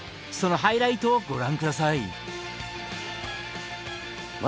そのハイライトをご覧下さい。